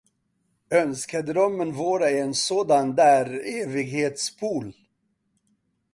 Önskedrömmen vore en sådan där evighetspool.